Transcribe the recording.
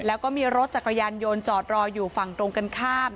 แล้วก็มีรถจักรยานยนต์จอดรออยู่ฝั่งตรงกันข้าม